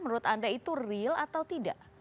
menurut anda itu real atau tidak